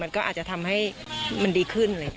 มันก็อาจจะทำให้มันดีขึ้น